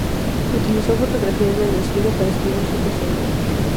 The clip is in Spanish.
Utilizó fotografías del desfile para escribir su reseña.